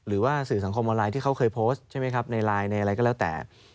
หรือว่าสื่อสังคมออนไลน์ที่เขาเคยโพสต์ใช่ไหมครับในไลน์ในอะไรก็แล้วแต่